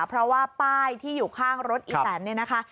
เพราะว่าป้ายที่อยู่ข้างรถอีแตนเนี่ยนะคะ